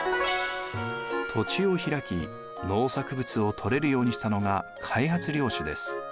土地をひらき農作物をとれるようにしたのが開発領主です。